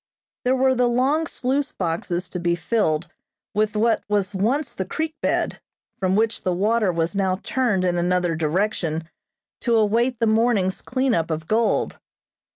There were the long sluice boxes to be filled with what was once the creek bed, from which the water was now turned in another direction to await the morning's cleanup of gold.